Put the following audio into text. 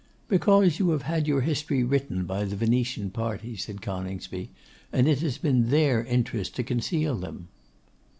'Because you have had your history written by the Venetian party,' said Coningsby, 'and it has been their interest to conceal them.